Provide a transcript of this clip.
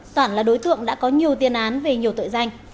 toản là đối tượng đã có nhiều tiền án về nhiều tội danh